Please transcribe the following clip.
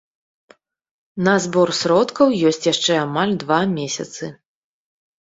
На збор сродкаў ёсць яшчэ амаль два месяцы.